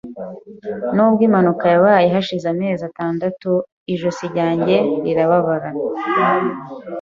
Nubwo impanuka yabaye hashize amezi atandatu, ijosi ryanjye rirababara.